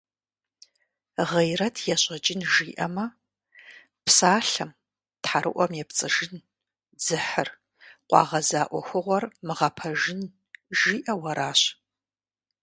«Гъейрэт ещӀэкӏын» жиӏэмэ, псалъэм, тхьэрыӀуэм епцӀыжын, дзыхьыр, къуагъэза Ӏуэхугъуэр мыгъэпэжын, жиӏэу аращ.